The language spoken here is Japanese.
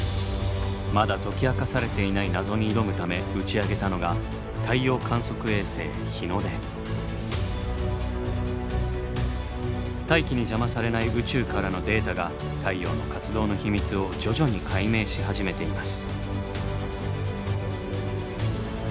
まだ解き明かされていない謎に挑むため打ち上げたのが大気に邪魔されない宇宙からのデータが太陽の活動の秘密を徐々に解明し始めています。